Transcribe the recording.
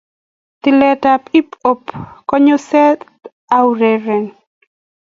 tilet ap hip hop kongusa aureren